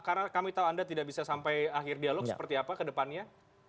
karena kami tahu anda tidak bisa sampai akhir dialog seperti apa ke depannya